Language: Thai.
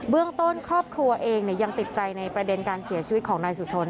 เรื่องต้นครอบครัวเองยังติดใจในประเด็นการเสียชีวิตของนายสุชน